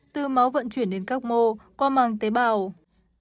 từ máu vận chuyển đến các mô qua mạng tế bào